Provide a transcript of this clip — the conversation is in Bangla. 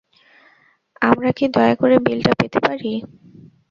আমরা কি দয়া করে বিলটা পেতে পারি?